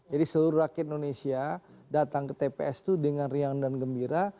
jadi seluruh rakyat indonesia datang ke tps itu dengan rian dan gembira